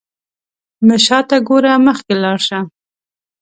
مه شاته ګوره، مخکې لاړ شه.